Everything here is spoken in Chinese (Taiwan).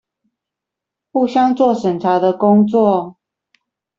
互相做審查的工作